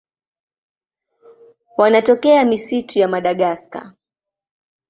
Wanatokea misitu ya Madagaska.